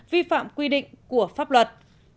vi phạm quy định của pháp luật